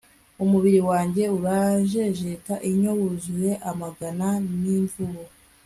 umubiri wanjye urajejeta inyo, wuzuye amaga n'imvuvu